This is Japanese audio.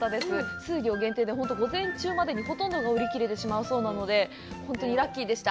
数量限定で、午前中までにほとんどが売り切れてしまうので、本当にラッキーでした。